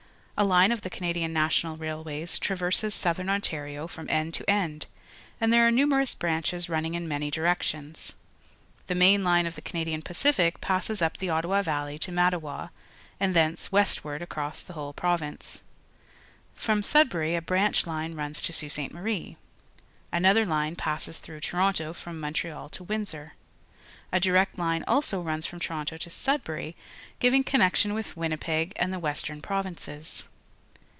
A line of the Canadian National Railways traverses Southern Ontario from end to end, and there are numerous branches running in many directions. The main ONTARIO 85 line of the Canadian Pacific passes up the Ottaw a Valley to Mattawa, and thence wes t ward across the whole province. From A Pulp and Paper Mill, Iroquois Falls, Ontario Sudbury a branch h ne runs to Sault Sle. Marm. Another hne passes throiigh Toronto from Montreal to Windsor, A (Hrect hne also run s from Toronto to Sudbury, giving con jiection with Winnipeg and the Western Pro vinces.